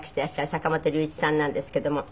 坂本龍一さんなんですけども。